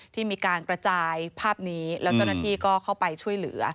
ที่มีการกระจายภาพนี้แล้วเจ้าหน้าที่ก็เข้าไปช่วยเหลือ